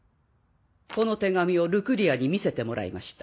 この手紙をルクリアに見せてもらいました。